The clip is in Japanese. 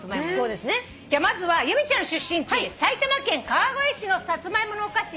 まずは由美ちゃんの出身地埼玉県川越市のサツマイモのお菓子。